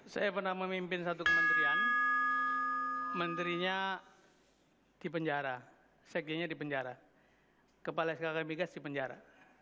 saya pernah memimpin satu kementerian menterinya di penjara sekjennya di penjara kepala skk migas di penjara